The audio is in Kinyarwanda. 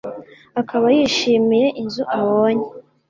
akaba yishimiye inzu abonye